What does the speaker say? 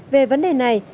về vấn đề này